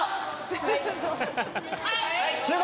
集合。